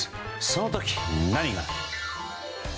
その時、何が。